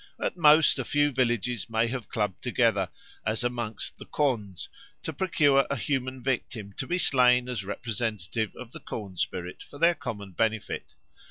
At most a few villages may have clubbed together, as amongst the Khonds, to procure a human victim to be slain as representative of the corn spirit for their common benefit.